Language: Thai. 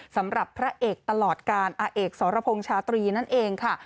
สำหรับพระเอกตลอดการอาเอกสรพงษ์ชาตรีนั่นเองค่ะ